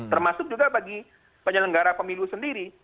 termasuk juga bagi penyelenggara pemilu sendiri